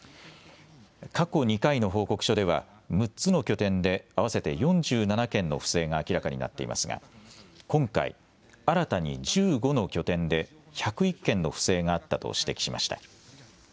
過去２回の報告書では６つの拠点で合わせて４７件の不正が明らかになっていますが今回、新たに１５の拠点で１０１件の不正があったと指摘しました。